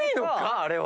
あれは。